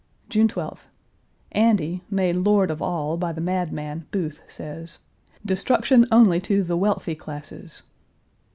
June 12th. Andy, made lord of all by the madman, Booth, says, "Destruction only to the wealthy classes."